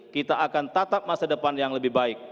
kita akan tatap masa depan yang lebih baik